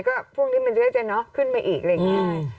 ก็พวกนี้มันก็จะขึ้นมาอีกอะไรอย่างนี้